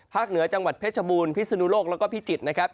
เหนือจังหวัดเพชรบูรณพิศนุโลกแล้วก็พิจิตรนะครับ